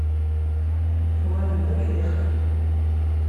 Tuɣalem d uḥdiqen.